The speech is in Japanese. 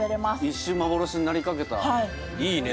一瞬幻になりかけたいいね